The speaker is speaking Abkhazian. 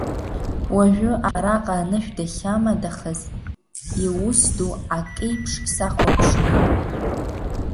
Уажәы аҳ араҟа анышә дахьамадахаз иус дуу акеиԥш сахәаԥшуеит.